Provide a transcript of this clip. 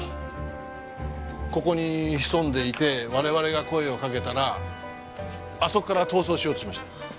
ここに潜んでいて我々が声をかけたらあそこから逃走しようとしました。